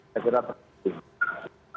saya kira terakhir